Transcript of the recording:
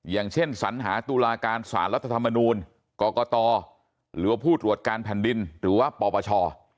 อย่างเช่นสัญหาตุลาการสารรัฐธรรมนูลกรกตหรือว่าผู้ตรวจการแผ่นดินหรือว่าปปช